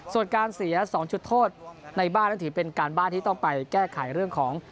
ส่วนการเสีย๒จุดโทษในบ้านนั้นถือเป็นการบ้านที่ต้องไปแก้ไขเรื่องของ